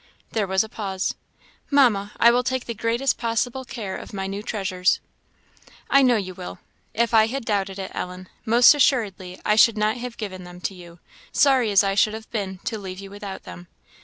There was a pause. "Mamma, I will take the greatest possible care of my new treasures." "I know you will. If I had doubted it, Ellen, most assuredly I should not have given them to you, sorry as I should have been to leave you without them.